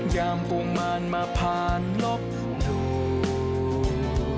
อย่ามปรุงมารมาผ่านลบดู